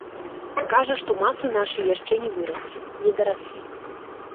Кажа, што масы нашы яшчэ не выраслі, не дараслі.